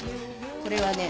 これはね